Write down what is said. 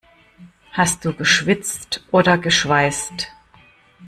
Hast du geschwitzt oder geschweißt?